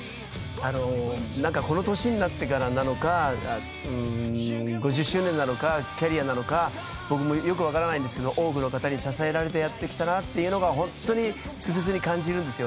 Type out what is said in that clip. この年になってからなのか５０周年なのかキャリアなのかよく分かりませんけど多くの方に支えられてやってというのが切実に感じます。